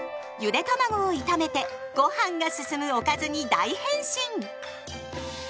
ゆでたまごを炒めてごはんが進むおかずに大変身！